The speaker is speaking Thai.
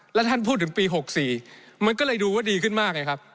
และท่านพูดถึงปี๖๔มันก็เลยดูว่าดีขึ้นมาก